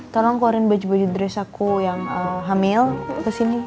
tolong keluarin baju baju dress aku yang hamil kesini